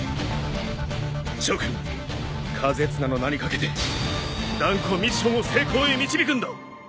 諸君風綱の名に懸けて断固ミッションを成功へ導くんだ！